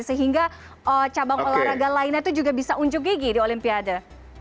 sehingga cabang olahraga lainnya itu juga bisa unjuk gigi di olimpiade